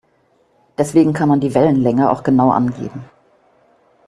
Deswegen kann man die Wellenlänge auch genau angeben.